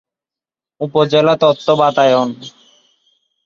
উপজেলা তথ্য বাতায়ন